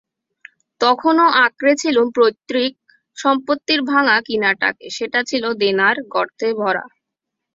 তখনও আঁকড়ে ছিলুম পৈতৃক সম্পত্তির ভাঙা কিনারটাকে সেটা ছিল দেনার গর্তে ভরা।